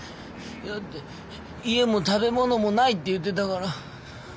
だって家も食べ物もないって言ってたから。